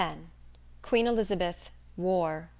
QUEEN ELIZABETH. WAR.